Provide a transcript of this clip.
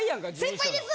先輩です。